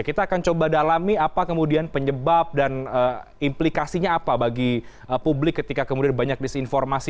kita akan coba dalami apa kemudian penyebab dan implikasinya apa bagi publik ketika kemudian banyak disinformasi